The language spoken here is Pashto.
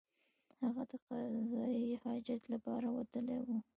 هغه د قضای حاجت لپاره وتلی وو.